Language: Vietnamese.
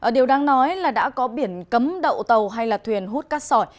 điều đáng nói là đã có biển cấm đậu tàu hay là thuyền hút cát sỏi